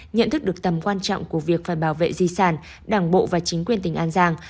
nhận thức được tầm quan trọng của việc phải bảo vệ di sản đảng bộ và chính quyền tỉnh an giang